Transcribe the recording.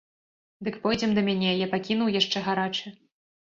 Дык пойдзем да мяне, я пакінуў яшчэ гарачы.